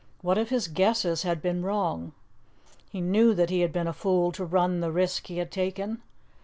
What if his guesses had been wrong? He knew that he had been a fool to run the risk he had taken.